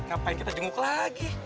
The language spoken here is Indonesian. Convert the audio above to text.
ngapain kita jenguk lagi